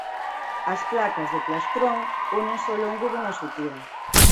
As placas do plastrón únense ao longo dunha sutura.